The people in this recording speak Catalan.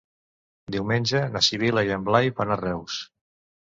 Diumenge na Sibil·la i en Blai van a Reus.